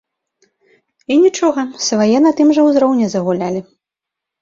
І нічога, свае на тым жа ўзроўні загулялі.